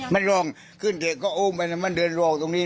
มันลองขึ้นเกะก้ออุ้มมันเดินลงออกตรงนี้